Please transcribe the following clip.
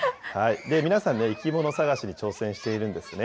皆さん、生き物探しに挑戦しているんですね。